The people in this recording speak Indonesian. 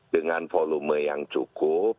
dengan volume yang cukup